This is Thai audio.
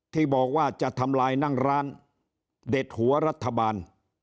ที่บอกว่าจะทำลายนั่งร้านเด็ดหัวรัฐบาล